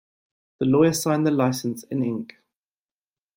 The lawyer signed the licence in ink.